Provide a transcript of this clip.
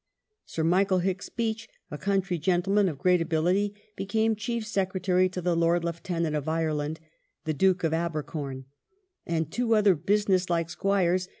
Sir Michael Hicks Beach, a country gentleman of great ability, became Chief Secretary to the Lord Lieutenant of Ireland (the Duke of Abercorn), and two other businesslike squires.